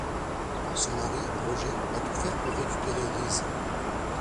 Son mari, Roger, va tout faire pour récupérer Reese.